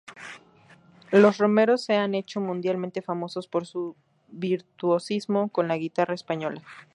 Los Romeros se han hecho mundialmente famosos por su virtuosismo con la guitarra española.